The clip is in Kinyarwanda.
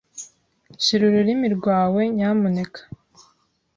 Shira ururimi rwawe, nyamuneka.